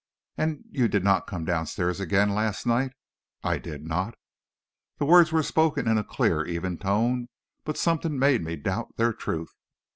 "And you did not come down stairs again last night?" "I did not." The words were spoken in a clear, even tone; but something made me doubt their truth.